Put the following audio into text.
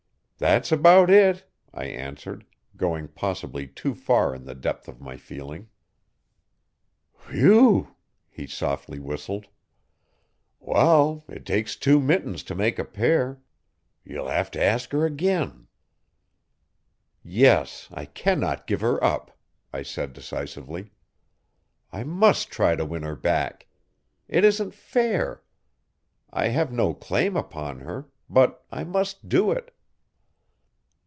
'That's about it,' I answered, going possibly too far in the depth of my feeling. 'Whew w!' he softly whistled. 'Wall, it takes two mittens t'make a pair ye'll hev t'ask her ag in. 'Yes I cannot give her up,' I said decisively, 'I must try to win her back. It isn't fair. I have no claim upon her. But I must do it.